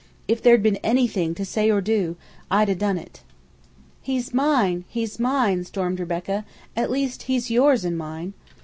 If there'd been anything to say or do, I'd a' done it." "He's mine! He's mine!" stormed Rebecca. "At least he's yours and mine!"